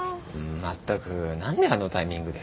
まったく何であのタイミングで。